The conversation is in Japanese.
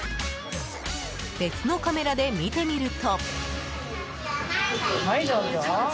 別のカメラで見てみると。